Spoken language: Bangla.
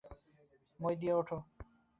মই দিয়ে ওঠো।